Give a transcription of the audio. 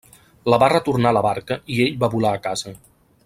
La va retornar a la barca i ell va volar a casa.